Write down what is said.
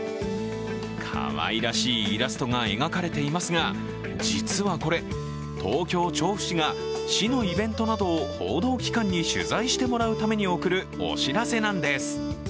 かわいらしいイラストが描かれていますが、実はこれ、東京・調布市が市のイベントなどを報道機関に取材してもらうために送る、お知らせなんです。